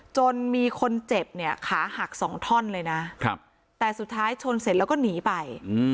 จนมีคนเจ็บเนี่ยขาหักสองท่อนเลยนะแต่สุดท้ายชนเสร็จแล้วก็หนีไป